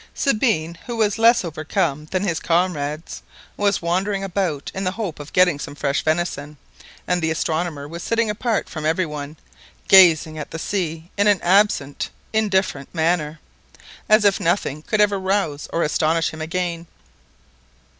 Sabine, who was less overcome than his comrades, was wandering about in the hope of getting some fresh venison, and the astronomer was sitting apart from every one, gazing at the sea in an absent indifferent manner, as if nothing could ever rouse or astonish him again.